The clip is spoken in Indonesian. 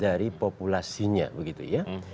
dari populasinya begitu ya